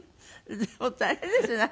でも大変ですね